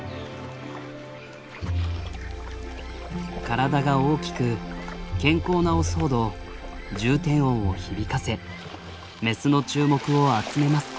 体が大きく健康なオスほど重低音を響かせメスの注目を集めます。